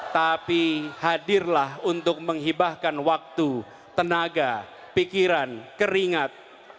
tapi hadirlah untuk menghibahkan waktu tenaga pikiran keringat